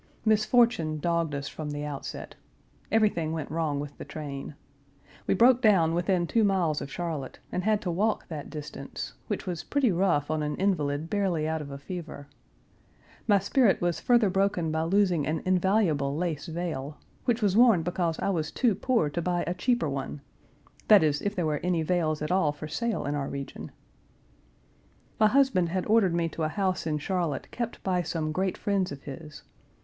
Misfortune dogged us from the outset. Everything went wrong with the train. We broke down within two miles of Charlotte, and had to walk that distance; which was pretty rough on an invalid barely out of a fever. My spirit was further broken by losing an invaluable lace veil, which was worn because I was too poor to buy a cheaper one that is, if there were any veils at all for sale in our region. My husband had ordered me to a house in Charlotte kept by some great friends of his.